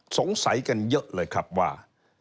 สงสัยกันเยอะเลยครับว่า